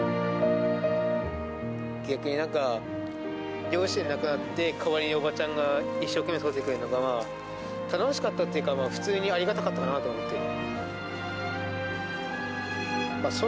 逆になんか、両親亡くなって、代わりにおばちゃんが一生懸命育ててくれたから、楽しかったっていうか、ありがたかったかなと思ってる。